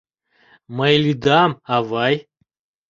— Мый лӱдам, авай!